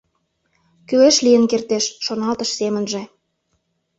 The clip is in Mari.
«Кӱлеш лийын кертеш», — шоналтыш семынже.